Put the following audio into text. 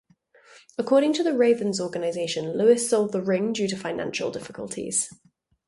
According to the Ravens organization, Lewis sold the ring due to financial difficulties.